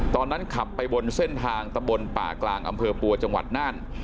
ขับไปบนเส้นทางตะบนป่ากลางอำเภอปัวจังหวัดน่าน